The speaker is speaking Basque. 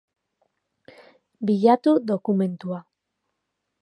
Bilatu dokumentua.